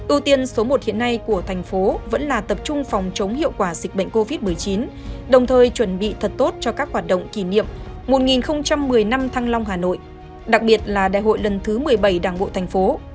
ưu tiên số một hiện nay của thành phố vẫn là tập trung phòng chống hiệu quả dịch bệnh covid một mươi chín đồng thời chuẩn bị thật tốt cho các hoạt động kỷ niệm một nghìn một mươi năm thăng long hà nội đặc biệt là đại hội lần thứ một mươi bảy đảng bộ thành phố